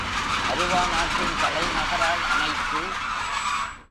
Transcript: அருவா நாட்டின் தலைநகராய் அமைத்து.